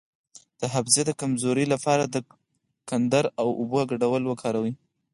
د حافظې د کمزوری لپاره د کندر او اوبو ګډول وکاروئ